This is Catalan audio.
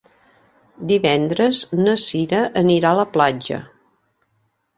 Divendres na Sira anirà a la platja.